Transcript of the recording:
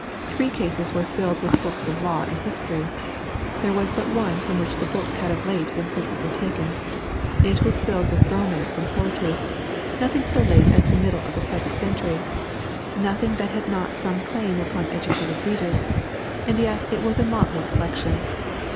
Three cases were filled with books of law and history; there was but one from which the books had of late been frequently taken. It was filled with romance and poetry, nothing so late as the middle of the present century, nothing that had not some claim upon educated readers, and yet it was a motley collection.